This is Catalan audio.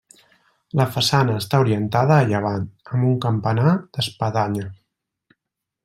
La façana està orientada a llevant amb un campanar d'espadanya.